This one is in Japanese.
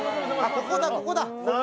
ここだここだ